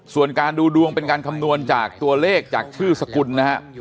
ส่วนการดูดวงเป็นการคำนวณจากตัวเลขจากชื่อสกุลนะฮะ